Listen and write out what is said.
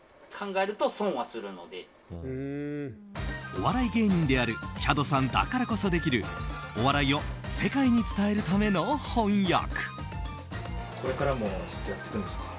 お笑い芸人であるチャドさんだからこそできるお笑いを世界に伝えるための翻訳。